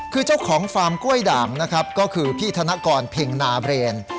คือเจ้าของฟาร์มกล้วยด่างนะครับก็คือพี่ธนกรเพ็งนาเบรน